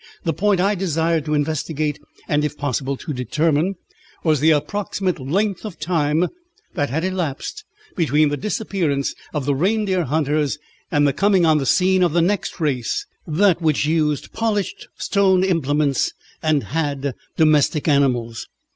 The point I desired to investigate, and if possible to determine, was the approximate length of time that had elapsed between the disappearance of the reindeer hunters and the coming on the scene of the next race, that which used polished stone implements and had domestic animals.